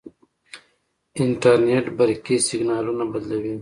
انټرنیټ برقي سیګنالونه بدلوي.